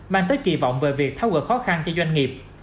mang tới kỳ vọng về việc tháo gỡ khó khăn cho doanh nghiệp